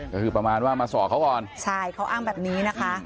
ก็คือประมาณว่ามาสอบเขาก่อนใช่เขาอ้างแบบนี้นะคะ